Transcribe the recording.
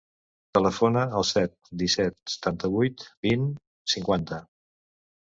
Telefona al set, disset, setanta-vuit, vint, cinquanta.